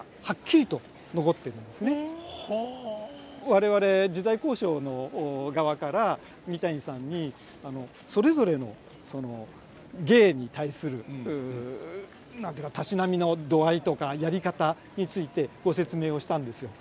我々時代考証の側から三谷さんにそれぞれの芸に対する何て言うかたしなみの度合いとかやり方についてご説明をしたんですよ。